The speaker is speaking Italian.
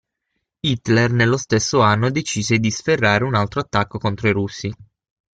Hitler nello stesso anno decise di sferrare un altro attacco contro i russi.